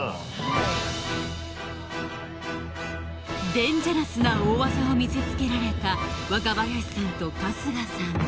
デンジャラスな大技を見せつけられた若林さんと春日さん